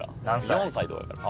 ４歳とかやから。